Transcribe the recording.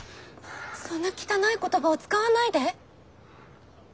そんな汚い言葉を使わないで。